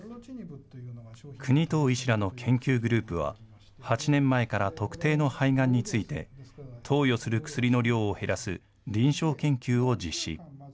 國頭医師らの研究グループは、８年前から特定の肺がんについて、投与する薬の量を減らす臨床研究を実施。